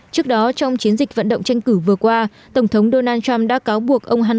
trước đó trong chiến dịch vận động tranh cử vừa qua tổng thống donald trump đã cáo buộc ông